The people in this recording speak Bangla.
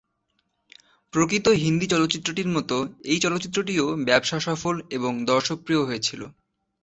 প্রকৃত হিন্দি চলচ্চিত্রটির মত এই চলচ্চিত্রটিও ব্যবসাসফল এবং দর্শকপ্রিয় হয়েছিলো।